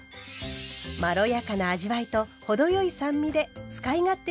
まろやかな味わいと程よい酸味で使い勝手のよいたれです。